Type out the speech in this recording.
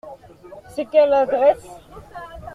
C’est quelle adresse ?